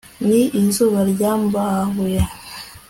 ni izuba ryambabuye